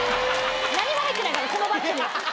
何も入ってないからこのバッグには。